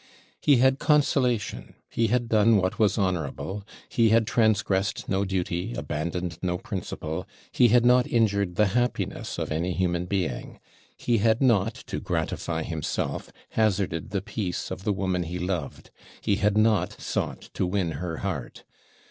He had consolation he had done what was honourable he had transgressed no duty, abandoned no principle he had not injured the happiness of any human being he had not, to gratify himself, hazarded the peace of the woman he loved he had not sought to win her heart.